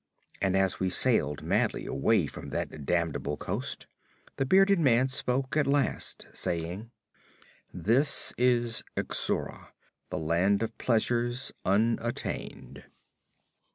And as we sailed madly away from that damnable coast the bearded man spoke at last, saying, "This is Xura, the Land of Pleasures Unattained."